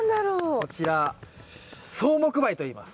こちら草木灰といいます。